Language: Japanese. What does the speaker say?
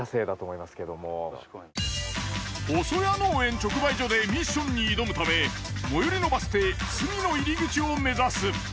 直売所でミッションに挑むため最寄りのバス停住野入口を目指す。